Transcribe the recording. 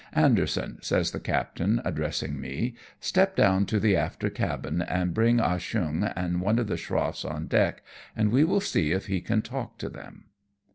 " Anderson," says the captainj addressing me, " step down to the after cabin, and bring Ah Cheong and one of the schroffs on deckj and we will see if he can talk to them."